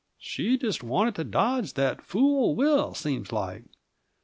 She just wanted to dodge that fool will, seems like.